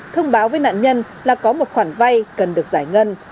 thông báo với nạn nhân là có một khoản vay cần được giải ngân